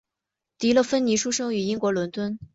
迪乐芬妮出生于英国伦敦。